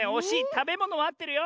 たべものはあってるよ。